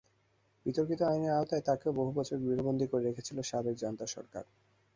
বিতর্কিত আইনের আওতায় তাঁকেও বহু বছর গৃহবন্দী রেখেছিল সাবেক জান্তা সরকার।